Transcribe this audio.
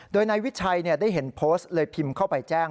โดยนายวิชัยได้เห็นโพสต์เลยพิมพ์เข้าไปแจ้ง